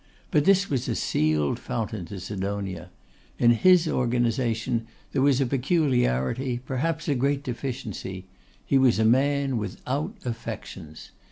But this was a sealed fountain to Sidonia. In his organisation there was a peculiarity, perhaps a great deficiency. He was a man without affections.